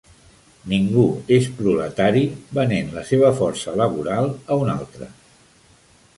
Ningú és proletari, venent la seva força laboral a un altre.